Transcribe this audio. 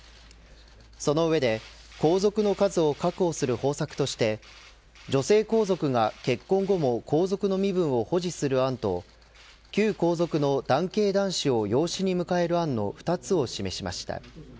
その上で皇族の数を確保する方策として女性皇族が結婚後も皇族の身分を保持する案と旧皇族の男系男子を養子に迎える案の２つを示しました。